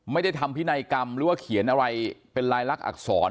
ไม่ได้ทำพินัยกรรมหรือว่าเขียนอะไรเป็นลายลักษณอักษร